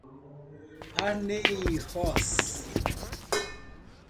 Arneiroz